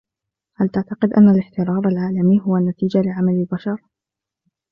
هل تعتقد أن الاحترار العالمي هو نتيجة لعمل البشر ؟